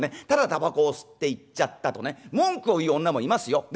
ただ煙草を吸って行っちゃったとね文句を言う女もいますよ。